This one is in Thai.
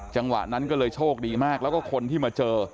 จังหวะนั้นก็เลยโชคดีมากแล้วก็คนที่มาเจอ